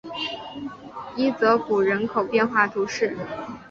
伊泽谷人口变化图示